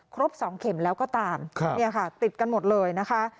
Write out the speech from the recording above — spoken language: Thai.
ครบสองเข็มแล้วก็ตามติดกันหมดเลยนะคะ